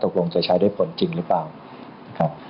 ว่าตกลงจะใช้ได้ผลจริงหรือเปล่า